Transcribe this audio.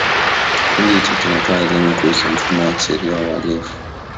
Kikundi hicho kinatoa elimu kuhusu mfumo wa kisheria wa uhalifu